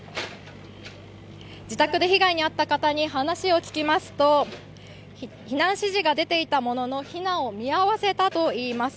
自宅で被害に遭った方に話を聞きますと、避難指示が出ていたものの避難を見合わせたといいます。